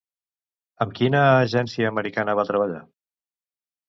Amb quina agència americana va treballar?